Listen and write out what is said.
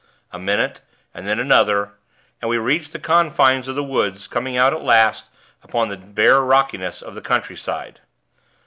A minute, and then another, and we reached the confines of the wood coming out at last upon the bare rockiness of the countryside.